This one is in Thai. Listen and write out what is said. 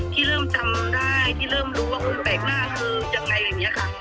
ที่เริ่มจำได้ที่เริ่มรู้ว่าคนแปลกหน้าคือยังไงอย่างนี้ค่ะ